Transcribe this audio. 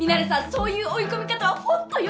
そういう追い込み方は本当よくない！